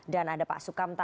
dan ada pak sukamta